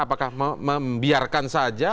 apakah membiarkan saja